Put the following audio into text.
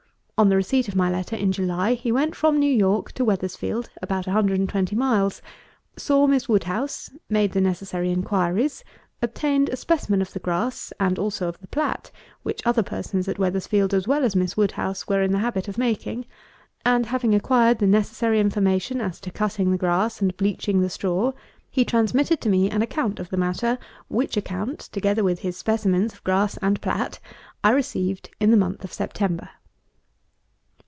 On the receipt of my letter, in July, he went from New York to Weathersfield, (about a hundred and twenty miles;) saw Miss WOODHOUSE; made the necessary inquiries; obtained a specimen of the grass, and also of the plat, which other persons at Weathersfield, as well as Miss WOODHOUSE, were in the habit of making; and having acquired the necessary information as to cutting the grass and bleaching the straw, he transmitted to me an account of the matter; which account, together with his specimens of grass and plat, I received in the month of September.